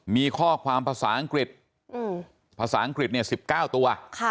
มีข้อความภาษาอังกฤษภาษาอังกฤษ๑๙ตัว